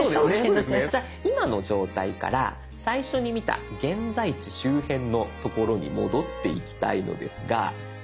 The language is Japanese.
じゃあ今の状態から最初に見た現在地周辺のところに戻っていきたいのですが。